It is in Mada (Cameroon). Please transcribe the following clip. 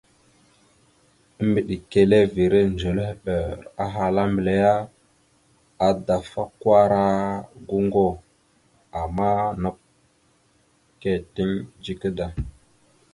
Embədekerrevere ndzelehɓer ahala mbelle: « Adafakwara goŋgo, ama nakw « keeteŋ dzika da. ».